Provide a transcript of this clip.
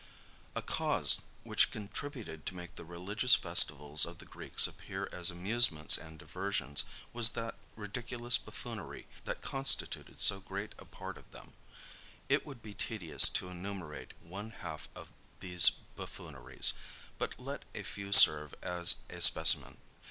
A cause, which contributed to make the religious festivals of the Greeks appear as amusements and diversions, was that ridiculous buffoonery that constituted so great a part of them: it would be tedious to enumerate one half of these buffooneries; but let a few serve as a specimen.